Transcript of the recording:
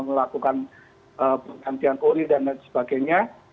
melakukan pergantian kulit dan lain sebagainya